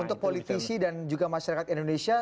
untuk politisi dan juga masyarakat indonesia